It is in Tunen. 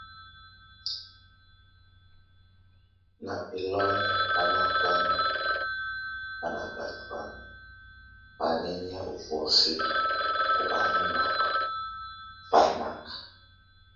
Nabeloŋ bá nakan, bá nakatuan, bá nenye o buɔ́sɛ bó alanok, bá nak.